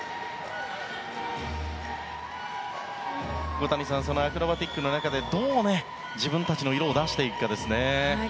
小谷さんこのアクロバティックの中でどう自分たちの色を出していくかですね。